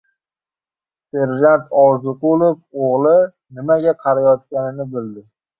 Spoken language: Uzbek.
Serjant Orziqulov o‘g‘li nimaga qarayotganini bildi.